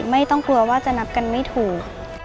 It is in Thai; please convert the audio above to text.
ไม่ต้องกลัวว่าจะนับกันไม่ถูก